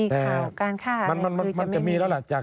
แต่มันจะมีแล้วแหละ